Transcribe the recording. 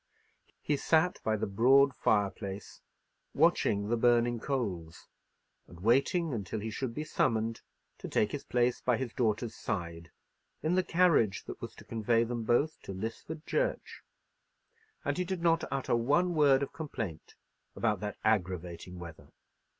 He sat by the broad fireplace watching the burning coals, and waiting until he should be summoned to take his place by his daughter's side in the carriage that was to convey them both to Lisford church; and he did not utter one word of complaint about that aggravating weather.